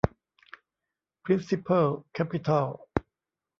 พริ้นซิเพิล แคปิตอล